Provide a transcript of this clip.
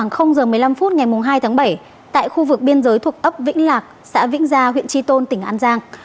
khoảng giờ một mươi năm phút ngày hai tháng bảy tại khu vực biên giới thuộc ấp vĩnh lạc xã vĩnh gia huyện tri tôn tỉnh an giang